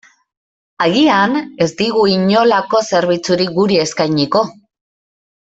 Agian, ez digu inolako zerbitzurik guri eskainiko.